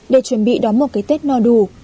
để chuẩn bị đón một cái tết no đủ